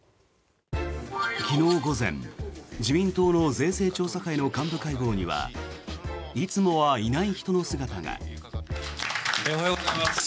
昨日午前、自民党の税制調査会の幹部会合にはいつもはいない人の姿が。